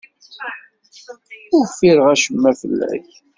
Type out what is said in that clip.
Ur ffireɣ acemma fell-ak.